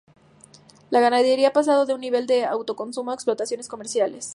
La ganadería ha pasado de un nivel de autoconsumo a explotaciones comerciales.